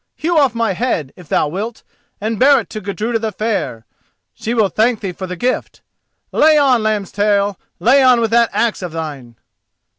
Hew off my head, if thou wilt, and bear it to Gudruda the Fair—she will thank thee for the gift. Lay on, Lambstail; lay on with that axe of thine."